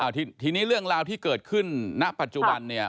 ทีนี้เรื่องราวที่เกิดขึ้นณปัจจุบันเนี่ย